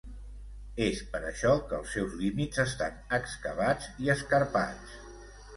És per això que els seus límits estan excavats i escarpats.